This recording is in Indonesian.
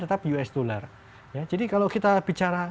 tetap us dollar ya jadi kalau kita bicara